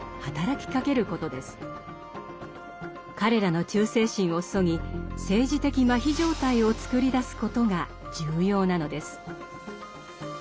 彼らの忠誠心をそぎ政治的麻痺状態をつくり出すことが重要なのです。